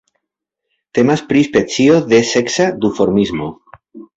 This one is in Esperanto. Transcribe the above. Temas pri specio de seksa duformismo.